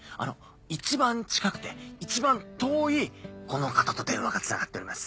一番近くて一番遠いこの方と電話がつながっております。